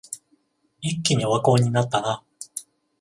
一気にオワコンになったな